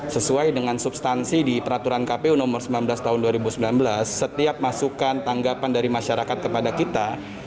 sesuai dengan substansi di peraturan kpu nomor sembilan belas tahun dua ribu sembilan belas setiap masukan tanggapan dari masyarakat kepada kita